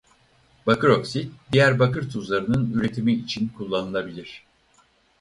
Bakır oksit diğer bakır tuzlarının üretimi için kullanılabilir.